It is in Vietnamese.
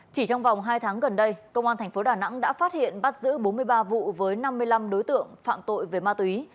chỉ trong vòng hai tháng gần đây công an tp đà nẵng đã phát hiện bắt giữ bốn mươi ba vụ với năm mươi năm đối tượng phạm tội về ma túy